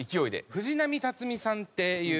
藤波辰爾さんっていう。